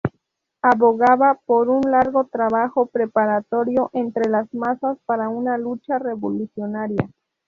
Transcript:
Abogaba por un largo trabajo preparatorio entre las masas para una lucha revolucionaria.